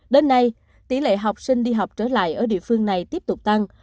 đến nay tỷ lệ học sinh đi học trở lại ở địa phương này tiếp tục tăng